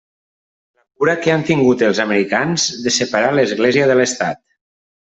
La cura que han tingut els americans a separar l'Església de l'Estat.